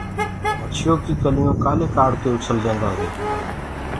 مڇيو ڪي ڪليو ڪآلي ڪآڙڪي اُڇل ديندآ هين